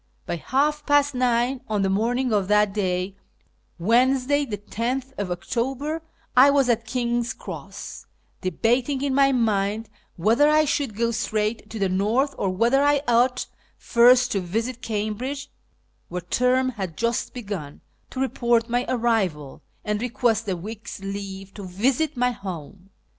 By half past nine on the morning of that day (Wednesday, 10th October) I was at King's Cross, debating in my mind whether I should go straight to the North, or whether I ought first to visit Cambridge (where term had just begun) to report my arrival, and request a week's leave to visit my home.